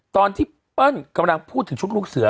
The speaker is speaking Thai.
ตอนที่เปิ้ลกำลังพูดถึงชุดลูกเสือ